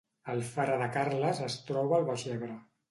Alfara de Carles es troba al Baix Ebre